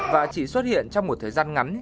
và chỉ xuất hiện trong một thời gian ngắn